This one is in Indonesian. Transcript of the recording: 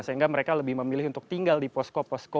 sehingga mereka lebih memilih untuk tinggal di posko posko